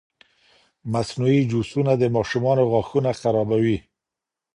مصنوعي جوسونه د ماشومانو غاښونه خرابوي.